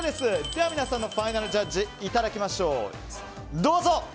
では皆さんのファイナルジャッジいただきましょう。